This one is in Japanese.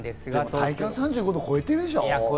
体感は３５度を超えてるでしょ。